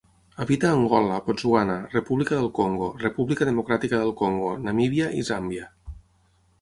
Habita a Angola, Botswana, República del Congo, República Democràtica del Congo, Namíbia i Zàmbia.